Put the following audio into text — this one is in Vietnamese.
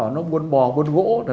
nó buôn bò buôn gỗ